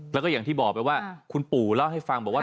แล้วก็อย่างที่บอกไปว่าคุณปู่เล่าให้ฟังบอกว่า